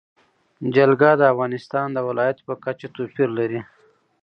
جلګه د افغانستان د ولایاتو په کچه توپیر لري.